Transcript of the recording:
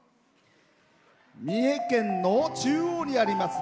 三重県の中央にあります